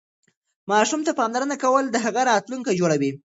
ماشوم ته پاملرنه کول د هغه راتلونکی جوړوي.